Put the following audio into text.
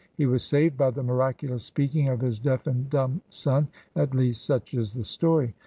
He was saved by the miraculous speaking of his deaf and dumb son — at least, such is the story.